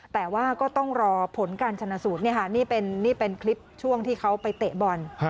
แต่ว่าก็ต้องรอผลการชนะสูตรนี่เป็นคลิปช่วงที่เขาไปเตะบอล